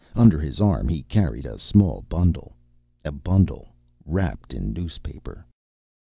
Under his arm he carried a small bundle a bundle wrapped in newspaper!